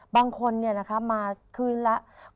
บางคนเนี่ยนะคะมาคืนแล้ว